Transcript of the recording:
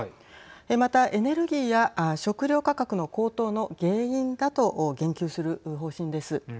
また、エネルギーや食料価格の高騰の原因だと言及する方針です。